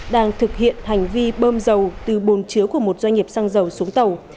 đang thực hiện hành vi bơm dầu từ bồn chứa của một doanh nghiệp xăng dầu xuống tàu